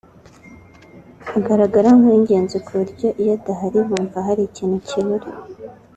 agaragara nk’uw’ingenzi ku buryo iyo adahari bumva hari ikintu kibura